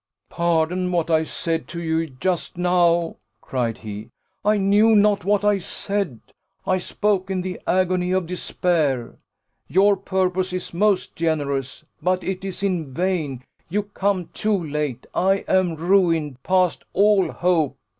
"Pardon what I said to you just now," cried he; "I knew not what I said I spoke in the agony of despair: your purpose is most generous but it is in vain you come too late I am ruined, past all hope."